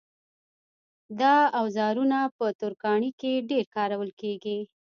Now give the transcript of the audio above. دا اوزارونه په ترکاڼۍ کې ډېر کارول کېږي.